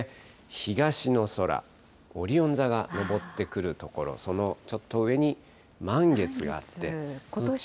東の空、オリオン座がのぼってくるところ、そのちょっと上に満月があって。